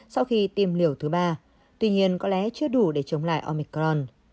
sau khi tiêm liều thứ ba tuy nhiên có lẽ chưa đủ để chống lại omicron